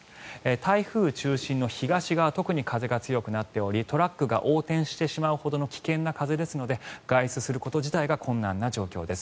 台風中心の東側特に風が強くなっておりトラックが横転してしまうほどの危険な風ですので外出すること自体が困難な状況です。